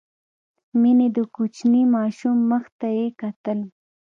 مينې د کوچني ماشوم مخ ته يې کتل.